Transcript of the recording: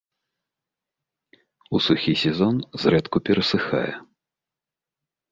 У сухі сезон зрэдку перасыхае.